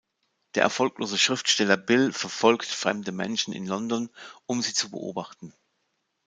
Der erfolglose Schriftsteller Bill verfolgt fremde Menschen in London, um sie zu beobachten.